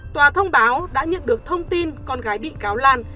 tòa thông báo đã nhận được thông tin con gái bị cáo lan